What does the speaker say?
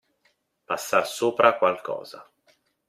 Passar sopra a qualcosa.